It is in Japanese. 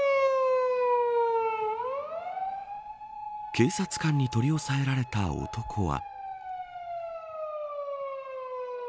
警察官に取り押さえられた男は。